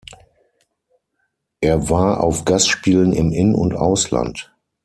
Er war auf Gastspielen im In- und Ausland.